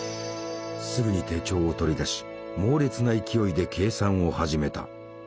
すぐに手帳を取り出し猛烈な勢いで計算を始めた。